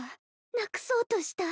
なくそうとした。